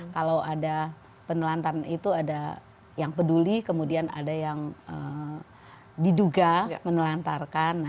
kalau ada penelantaran itu ada yang peduli kemudian ada yang diduga menelantarkan